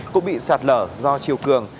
cũng bị sạt lở do chiều cường